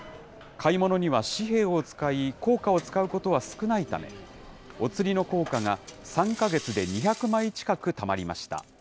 買い物には紙幣を使い、硬貨を使うことは少ないため、お釣りの硬貨が３か月で２００枚近くたまりました。